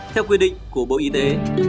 theo quy định của bộ y tế